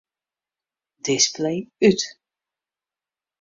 Display út.